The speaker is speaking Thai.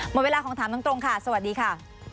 หมดเวลาของถามตรงค่ะสวัสดีค่ะ